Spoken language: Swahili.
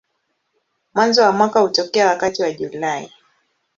Mwanzo wa mwaka hutokea wakati wa Julai.